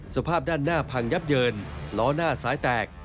สภาพด้านหน้าพังยับเยินล้อหน้าซ้ายแตก